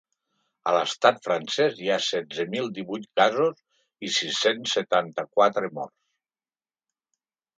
A l’estat francès hi ha setze mil divuit casos i sis-cents setanta-quatre morts.